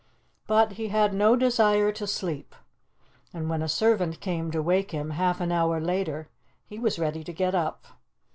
But he had no desire to sleep, and when a servant came to wake him half an hour later he was ready to get up.